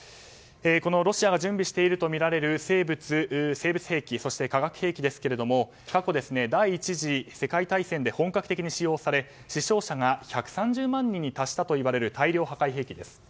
このロシアが準備しているとみられる生物兵器そして化学兵器ですが過去第１次世界大戦で本格的に使用され、死傷者が１３０万人に達したといわれる大量破壊兵器です。